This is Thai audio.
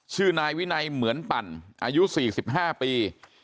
นายวินัยเหมือนปั่นอายุ๔๕ปี